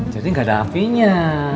jadi gak ada apinya